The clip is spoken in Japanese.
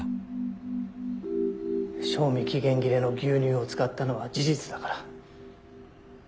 賞味期限切れの牛乳を使ったのは事実だから。